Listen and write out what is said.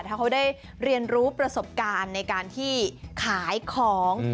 ถ้าเขาได้เรียนรู้ประสบการณ์ในการที่ขายของ